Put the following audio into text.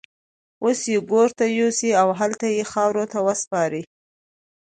اوس يې ګور ته يوسئ او هلته يې خاورو ته وسپارئ.